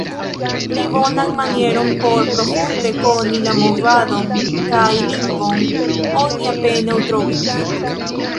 Pli bonan manieron por profunde koni la movadon kaj lingvon oni apenaŭ trovus.